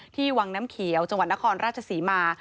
วังน้ำเขียวจังหวัดนครราชศรีมา